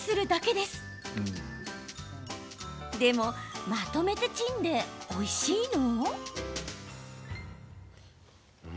でも、まとめてチンでおいしいの？